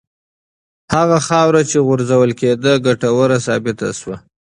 هغه خاوره چې غورځول کېده ګټوره ثابته شوه.